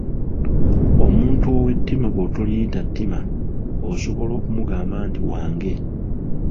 Omuntu ow’ettima bw'otaliyita ttima, osobola okumugamba nti wa nge.